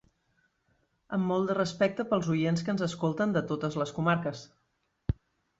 Amb molt de respecte pels oients que ens escolten de totes les comarques.